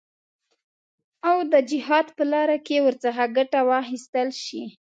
او د جهاد په لاره کې ورڅخه ګټه واخیستل شي.